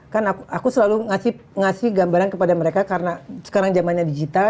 kan aku selalu ngasih gambaran kepada mereka karena sekarang zamannya digital